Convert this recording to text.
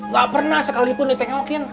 gak pernah sekalipun ditinggalkan